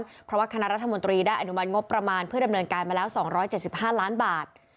เพราะว่าคณะรัฐมนตรีได้อนุมัติงบประมาณเพื่อดำเนินการมาแล้ว๒๗๕ล้านบาท